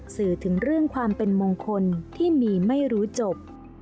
สื่อถึงเรื่องความเป็นมงคลที่มีไม่รู้จบ